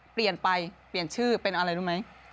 เปลี่ยนไปเปลี่ยนชื่อเป็นอะไรรู้ไหม